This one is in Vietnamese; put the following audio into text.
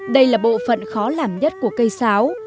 đây là bộ phận khó làm nhất của cây sáo